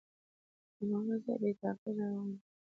هماغسې بې تغییره روان وي،